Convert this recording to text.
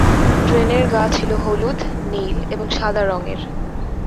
ট্রেনের গা ছিলো হলুদ, নীল এবং সাদা রঙের।